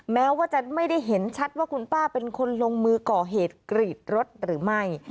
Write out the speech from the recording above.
แม้ว่าจะไม่ได้เห็นชัดว่าคุณป้าเป็นคนลงมือก่อเหตุกรีดรถหรือไม่